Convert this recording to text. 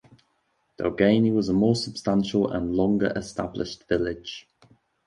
Delgany was a more substantial and longer established village.